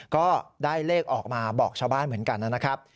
ก็ได้เลขออกมาบอกชาวบ้านเหมือนกันนะครับ